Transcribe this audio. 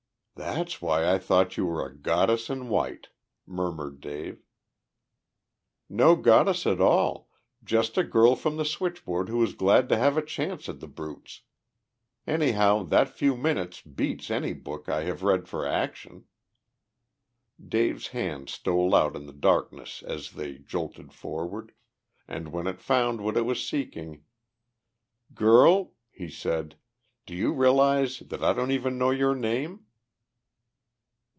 "That's why I thought you were a goddess in white," murmured Dave. "No goddess at all, just a girl from the switchboard who was glad to have a chance at the brutes. Anyhow, that few minutes beats any book I ever read for action!" Dave's hand stole out in the darkness as they jolted forward, and when it found what it was seeking, "Girl," he said, "do you realize that I don't even know your name?"